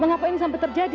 mengapa ini sampai terjadi